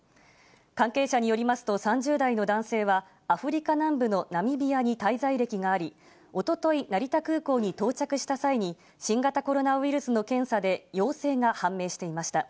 関係者によりますと、３０代の男性は、アフリカ南部のナミビアに滞在歴があり、おととい、成田空港に到着した際に、新型コロナウイルスの検査で陽性が判明していました。